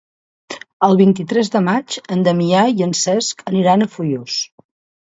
El vint-i-tres de maig en Damià i en Cesc aniran a Foios.